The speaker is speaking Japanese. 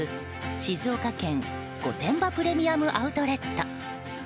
静岡県御殿場プレミアム・アウトレット。